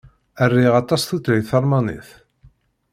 Riɣ aṭas tutlayt Talmanit.